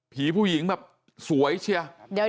ผู้หญิงแบบสวยเชียร์